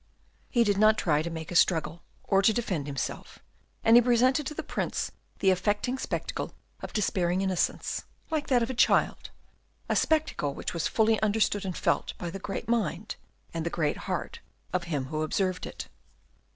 He did not try to make a struggle, or to defend himself; and he presented to the Prince the affecting spectacle of despairing innocence, like that of a child, a spectacle which was fully understood and felt by the great mind and the great heart of him who observed it.